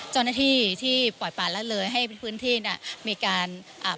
เจ้าหน้าที่ที่ปล่อยป่าละเลยให้พื้นที่เนี้ยมีการอ่า